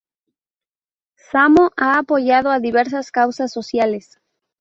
Samo ha apoyado a diversas causas sociales.